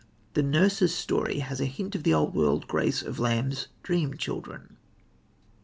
The Nurse's Story has a hint of the old world grace of Lamb's Dream Children.